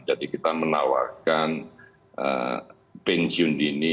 jadi kita menawarkan pensiun dini